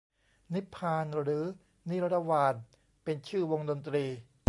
นิพพาน หรือนิรวาน เป็นชื่อวงดนตรี